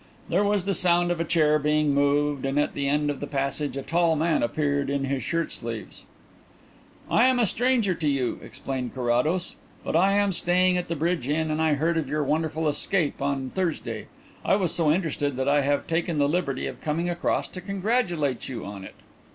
There was the sound of a chair being moved and at the end of the passage a tall man appeared in his shirt sleeves. "I am a stranger to you," explained Carrados, "but I am staying at the Bridge Inn and I heard of your wonderful escape on Thursday. I was so interested that I have taken the liberty of coming across to congratulate you on it."